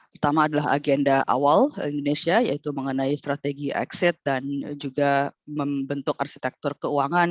pertama adalah agenda awal indonesia yaitu mengenai strategi exit dan juga membentuk arsitektur keuangan